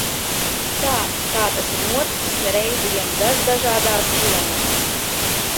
Tā, kā tas ir noticis ne reizi vien daždažādās jomās.